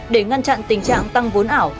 để ngăn chặn tình trạng tăng vốn ảo